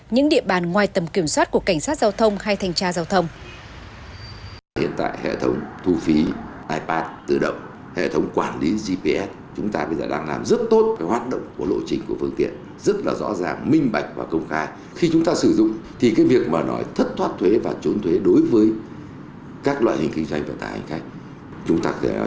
những địa bàn ngoài tầm kiểm soát của cảnh sát giao thông hay thanh tra giao thông